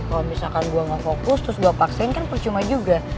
kalau misalkan gue gak fokus terus gue paksain kan percuma juga